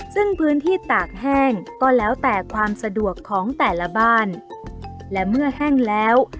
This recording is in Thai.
ซึ่งพื้นที่ตากแห้งก็แล้วแต่ความสะดวกของแต่ละบ้านและเมื่อแห้งแล้ว